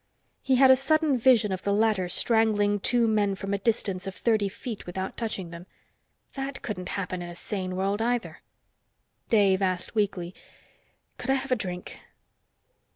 He had a sudden vision of the latter strangling two men from a distance of thirty feet without touching them. That couldn't happen in a sane world, either. Dave asked weakly, "Could I have a drink?"